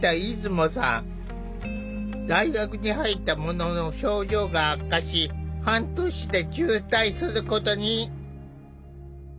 大学に入ったものの症状が悪化し半年で中退することに。